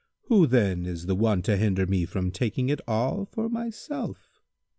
Who, then, is the one to hinder me from taking it all for myself?